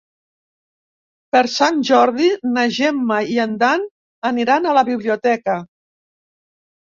Per Sant Jordi na Gemma i en Dan aniran a la biblioteca.